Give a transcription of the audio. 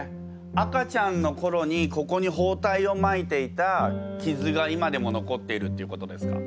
赤ちゃんのころにここに包帯をまいていた傷が今でも残っているっていうことですか？